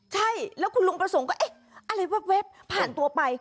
ใช่แล้วคุณลุงประสงค์ก็เอ๊ะอะไรแว๊บผ่านตัวไป